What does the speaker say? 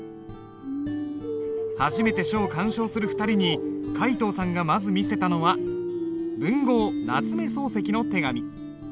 初めて書を鑑賞する２人に皆藤さんがまず見せたのは文豪夏目漱石の手紙。